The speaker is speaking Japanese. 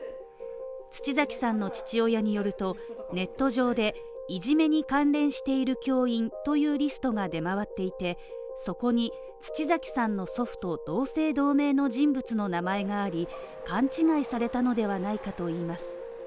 土崎さんの父親によるとネット上でいじめに関連している教員というリストが出回っていてそこに土崎さんの祖父と同姓同名の人物の名前があり、勘違いされたのではないかといいます。